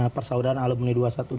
persaudaraan alumni dua ratus dua belas